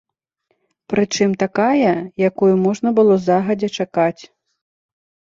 Прычым такая, якую можна было загадзя чакаць.